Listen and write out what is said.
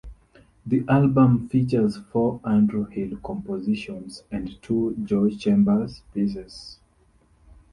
The album features four Andrew Hill compositions and two Joe Chambers pieces.